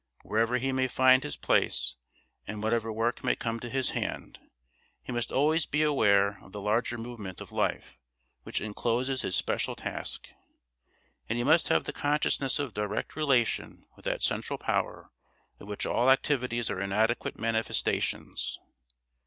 Wherever he may find his place and whatever work may come to his hand, he must always be aware of the larger movement of life which incloses his special task; and he must have the consciousness of direct relation with that central power of which all activities are inadequate manifestations.